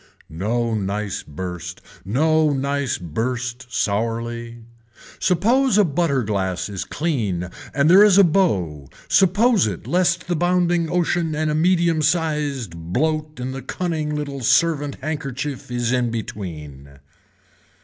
No nice burst, no nice burst sourly. Suppose a butter glass is clean and there is a bow suppose it lest the bounding ocean and a medium sized bloat in the cunning little servant handkerchief is in between.